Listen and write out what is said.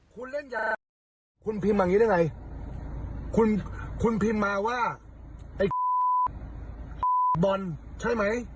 คุณเล่นยาคุณพิมพ์อย่างนี้ได้ไงคุณคุณพิมพ์มาว่าไอ้บอลใช่ไหม